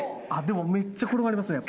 でもめっちゃ転がりますね。